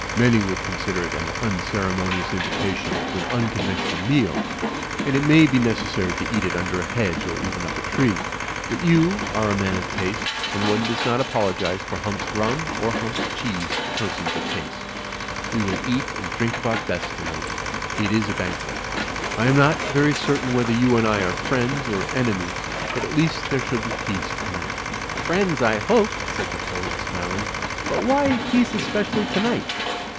Many would consider it an unceremonious invitation to an uncon ventional meal ; and it may be necessary to eat it under a hedge or even up a tree ; but you are a man of taste, and one does not apologise for Hump's rum or Hump's cheese to persons of taste. We will eat and drink of our best tonight. It is a banquet. I am not very cer tain whether you and I are friends or enemies, but at least there shall be peace tonight." "Friends, I hope," said the poet, smiling, "but why peace especially tonight?"